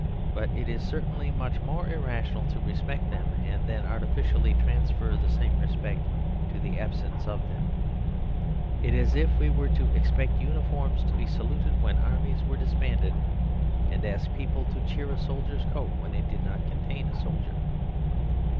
But it is certainly much more irrational to respect them, and then artificially transfer the same respect to the absence of them. It is as if we were to expect uniforms to be saluted when armies were disbanded; and ask people to 112 The Superstition of Divorce cheer a soldier's coat when it did not contain a soldier.